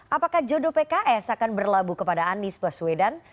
apakah jodoh pks akan berlabuh kepada anies baswedan